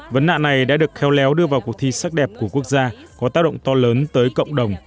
vấn nạn này đã được khéo léo đưa vào cuộc thi sắc đẹp của quốc gia có tác động to lớn tới cộng đồng